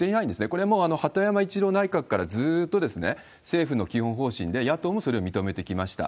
これはもう鳩山一郎内閣からずーっと政府の基本方針で、野党もそれを認めてきました。